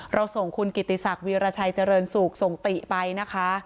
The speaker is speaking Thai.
เราส่งคุณกิติศักดิราชัยเจริญสุขส่งติไปนะคะ